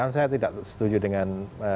saya tidak setuju dengan